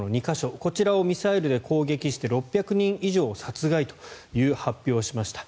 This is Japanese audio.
こちらをミサイルで攻撃して６００人以上を殺害という発表をしました。